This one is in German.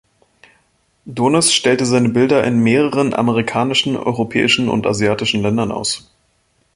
Donis stellte seine Bilder in mehreren amerikanischen, europäischen und asiatischen Ländern aus.